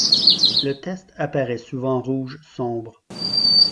Le test apparaît souvent rouge sombre.